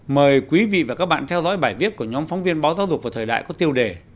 mời quý vị và các bạn theo dõi bài viết của nhóm phóng viên báo giáo dục và thời đại có tiêu đề